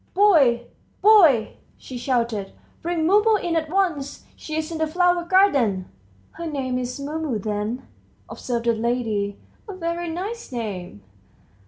"Boy, boy!" she shouted; "bring Mumu in at once! She's in the flower garden." "Her name's Mumu then," observed the lady; "a very nice name."